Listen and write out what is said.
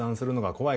怖い？